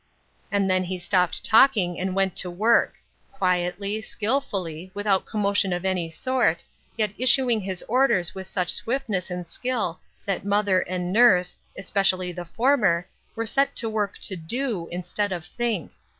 And then he stopped talking and went to work — quietly, skillfuly, without commotion of any sort, yet issuing his orders with such swiftness and skill that mother and nurse, especially the former, were set to work to do instead of think.